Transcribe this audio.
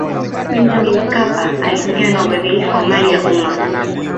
benjamini mkapa alipigana na ubadhirifu wa mali ya umma